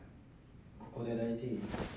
ここで抱いていい？